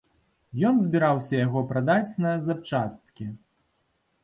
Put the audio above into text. Ён збіраўся яго прадаць на запчасткі.